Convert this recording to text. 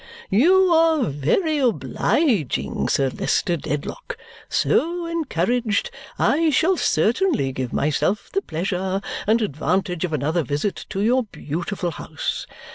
"You are very obliging, Sir Leicester Dedlock. So encouraged, I shall certainly give myself the pleasure and advantage of another visit to your beautiful house.